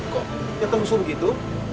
kok nyata lusuh begitu